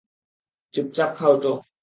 চুপচাপ খাও তো।